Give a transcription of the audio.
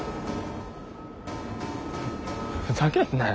ふざけんなよ。